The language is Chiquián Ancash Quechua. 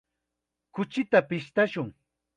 Kuchita pishtashun.